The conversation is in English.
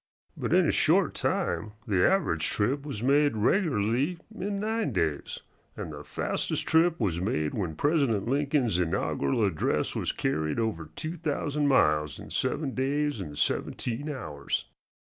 But in a short time the average trip was made regularly in nine days, and the fastest trip was made when President Lincoln's inaugural address was carried over the two thousand miles in seven days and seventeen hours.